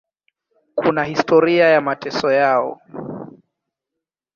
Kuna historia ya mateso yao.